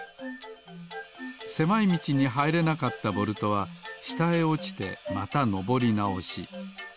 せまいみちにはいれなかったボルトはしたへおちてまたのぼりなおし。